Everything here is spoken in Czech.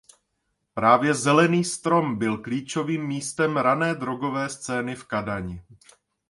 Právě "Zelený strom" byl klíčovým místem rané drogové scény v Kadani.